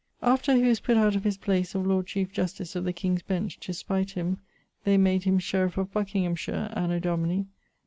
After he was putt out of his place of Lord Chief Justice of the King's Bench, to spite him, they made him sheriff of Buckinghamshire, anno Dni